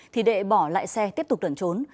thì đệ bỏ lại xe tiếp tục đẩn trốn